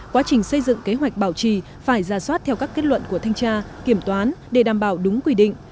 quá trình xây dựng kế hoạch bảo trì phải ra soát theo các kết luận của thanh tra kiểm toán để đảm bảo đúng quy định